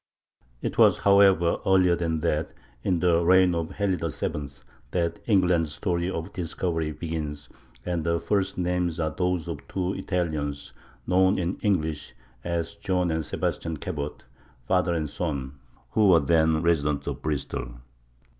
] It was, however, earlier than that—in the reign of Henry VII—that England's story of discovery begins, and the first names are those of two Italians known in English as John and Sebastian Cabot, father and son, who were then residents of Bristol.